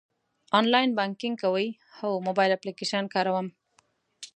آنلاین بانکینګ کوئ؟ هو، موبایل اپلیکیشن کاروم